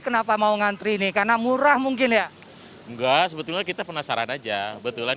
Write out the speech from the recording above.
kenapa mau ngantri ini karena murah mungkin ya enggak sebetulnya kita penasaran aja betulan